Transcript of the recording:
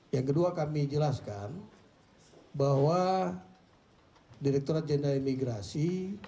yang kedua kami jelaskan bahwa direkturat jenderal imigrasi